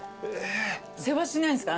せわしないんですか？